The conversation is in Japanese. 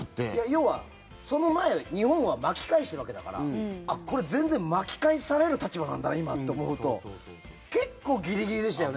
要は、その前は日本は巻き返してるわけだからあ、これ全然巻き返される立場なんだな、今って思うと結構、ギリギリでしたよね。